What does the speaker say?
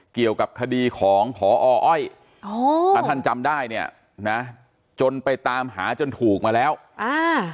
เกี่ยวกับคดีของพออ้อยอ๋อถ้าท่านจำได้เนี่ยนะจนไปตามหาจนถูกมาแล้วอ่า